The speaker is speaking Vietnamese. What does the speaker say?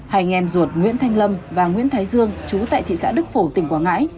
hai nghem ruột nguyễn thanh lâm và nguyễn thái dương trú tại thị xã đức phổ tỉnh quảng ngãi